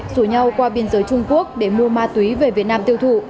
rủ nhau qua biên giới trung quốc để mua ma túy về việt nam tiêu thụ